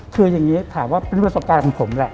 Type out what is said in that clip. คืออย่างนี้ถามว่าเป็นประสบการณ์ของผมแหละ